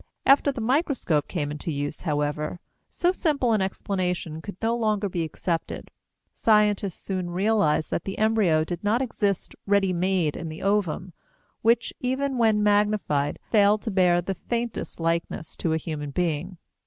After the microscope came into use, however, so simple an explanation could no longer be accepted. Scientists soon realized that the embryo did not exist "ready made" in the ovum, which, even when magnified, failed to bear the faintest likeness to a human being.